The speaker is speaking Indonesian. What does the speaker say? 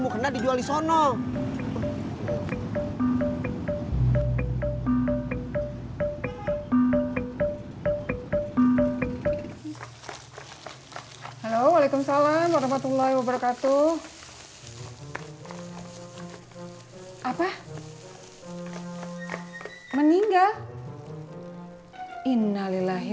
mau kena dijual di sono halo halo waalaikumsalam warahmatullahi wabarakatuh apa meninggal innalillahi